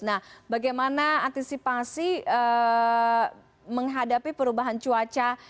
nah bagaimana antisipasi menghadapi perubahan cuaca